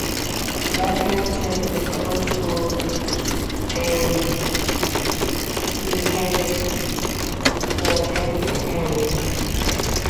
Lapham attended the public schools and the Canandaigua Academy.